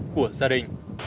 của gia đình